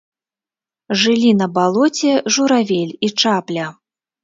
Жылі на балоце журавель і чапля.